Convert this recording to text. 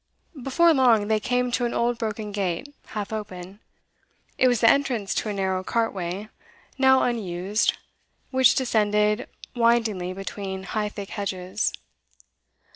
Before long, they came to an old broken gate, half open; it was the entrance to a narrow cartway, now unused, which descended windingly between high thick hedges.